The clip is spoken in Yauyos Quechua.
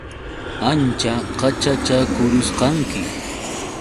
Ancha qaćhachakurusqanki.